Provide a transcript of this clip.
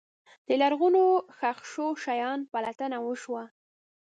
د لرغونو ښخ شوو شیانو پلټنه وشوه.